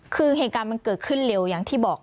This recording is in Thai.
คือเหตุการณ์มันเกิดขึ้นเร็วอย่างที่บอก